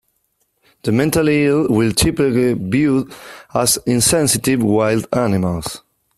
The mentally ill were typically viewed as insensitive wild animals.